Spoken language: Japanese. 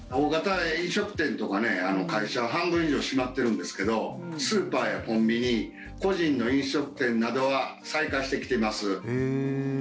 大型飲食店とかね、会社は半分以上閉まってるんですけどスーパーやコンビニ個人の飲食店などは再開してきています。